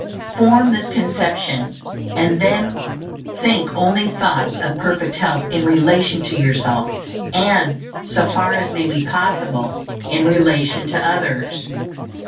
Form this conception, and then think only thoughts of perfect health in relation to yourself, and, so far as may be possible, in relation to others.